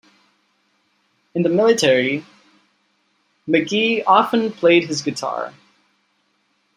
In the military, McGhee often played his guitar.